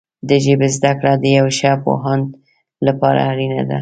د ژبې زده کړه د یو ښه پوهاند لپاره اړینه ده.